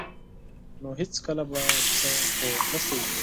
نو هیڅکله به په څه پوه نشئ.